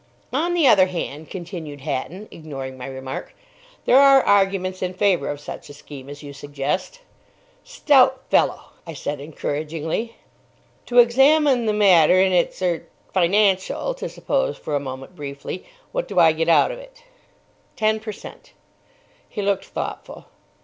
"On the other hand," continued Hatton, ignoring my remark, "there are arguments in favour of such a scheme as you suggest." "Stout fellow!" I said encouragingly. "To examine the matter in its—er—financial—to suppose for a moment—briefly, what do I get out of it?" "Ten per cent." He looked thoughtful.